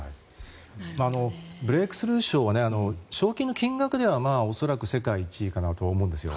ブレークスルー賞は賞金の金額では恐らく世界１位かなと思うんですよ。